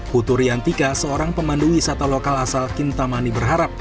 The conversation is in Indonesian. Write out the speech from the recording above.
putu riantika seorang pemandu wisata lokal asal kintamani berharap